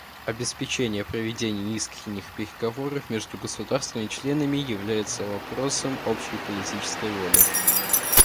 Обеспечение проведения искренних переговоров между государствами-членами является вопросом общей политической воли.